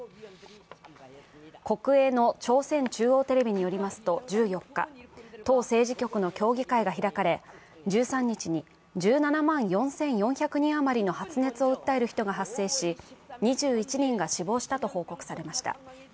国営の朝鮮中央テレビによりますと、１４日、党政治局の協議会が開かれ、１３日に、１７万４４００人余りの発熱を訴える人が発生し、２１人が死亡したと報告されました。